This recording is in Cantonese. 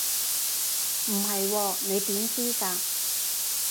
唔係喎，你點知㗎？